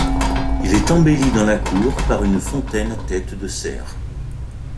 Il est embelli dans la cour par une fontaine à tête de cerf.